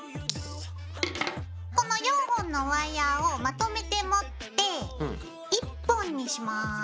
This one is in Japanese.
この４本のワイヤーをまとめて持って１本にします。